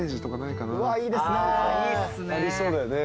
ありそうだよね。